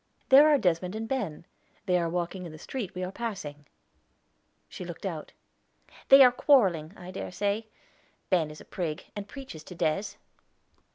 "There are Desmond and Ben; they are walking in the street we are passing." She looked out. "They are quarreling, I dare say. Ben is a prig, and preaches to Des."